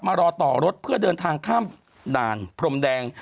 รอต่อรถเพื่อเดินทางข้ามด่านพรมแดง